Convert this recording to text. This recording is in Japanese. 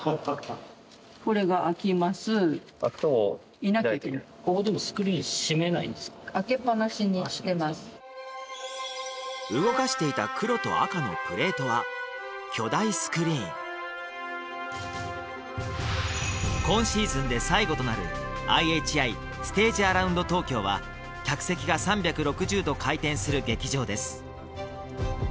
いなきゃいけない動かしていた黒と赤のプレートは巨大スクリーン今シーズンで最後となるＩＨＩステージアラウンド東京は客席が３６０度回転する劇場です